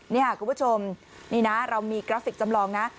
นี่ค่ะคุณผู้ชมนี่นะเรามีกราฟิกจำลองนะ